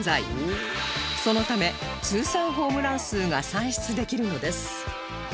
そのため通算ホームラン数が算出できるのです